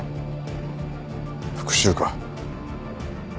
復讐か？